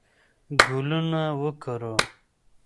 ګلونه وکرو.